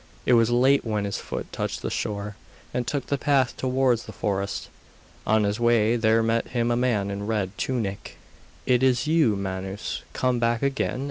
It was late when his foot touched the shore, and took the path towards the forest. On his way there met him a man in a red tunic. 'Is it you, Manus, come back again?